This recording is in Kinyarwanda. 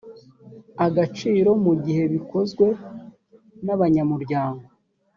agaciro mu gihe bikozwe n abanyamuryango